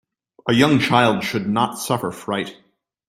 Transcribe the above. A young child should not suffer fright.